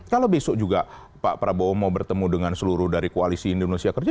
kalau besok juga pak prabowo mau bertemu dengan seluruh dari koalisi indonesia kerja